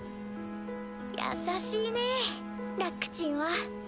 優しいねラックちんは。